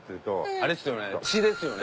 あれですよね。